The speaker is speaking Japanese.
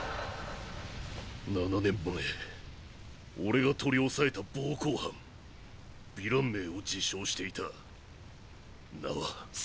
７年前俺が取り押さえた暴行犯ヴィラン名を自称していた名は。